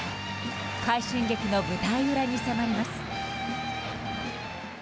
快進撃の舞台裏に迫ります。